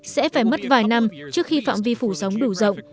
sẽ phải mất vài năm trước khi phạm vi phủ sóng đủ rộng